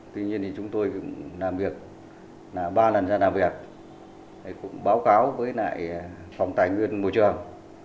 tuy nhiên chúng tôi làm việc ba lần ra làm việc báo cáo với phòng tài nguyên môi trường